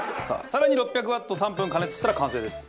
更に６００ワット３分加熱したら完成です。